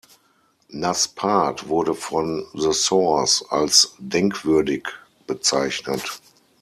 Nas Part wurde von The Source als „denkwürdig“ bezeichnet.